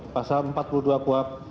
pasal empat puluh dua kuhap